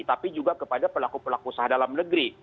tapi juga kepada pelaku pelaku usaha dalam negeri